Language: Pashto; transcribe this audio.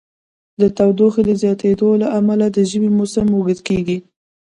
د تودوخې د زیاتیدو له امله د ژمی موسم اوږد کیږي.